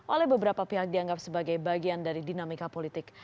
oleh beberapa pihak dianggap sebagai bagian dari dinamika politik